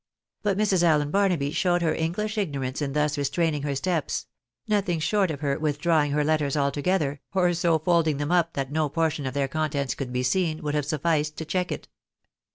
But Mrs. AUen Barnaby showed her English ignorance in thus restraining her steps — nothing short of her withdrawing her letters altogether, or so folding them up that no portion of their contents could be seen, would have sufficed to check it.